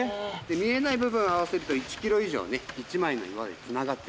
見えない部分合わせると１ｋｍ以上ね一枚の岩でつながってる。